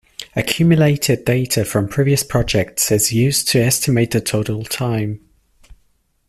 Accumulated data from previous projects is used to estimate the total time.